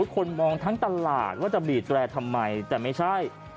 คนมองทั้งตลาดว่าจะบีดแรร์ทำไมแต่ไม่ใช่